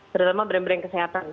terutama brand brand kesehatan